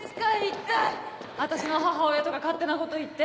一体私の母親とか勝手なこと言って。